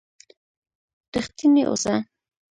رښتينی اوسه